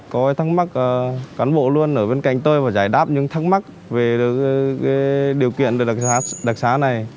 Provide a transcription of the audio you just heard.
có thắc mắc cán bộ luôn ở bên cạnh tôi và giải đáp những thắc mắc về điều kiện đặc sá này